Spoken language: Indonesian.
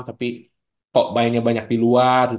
tapi kok mainnya banyak di luar